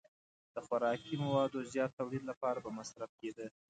د خوراکي موادو زیات تولید لپاره به مصرف کېده.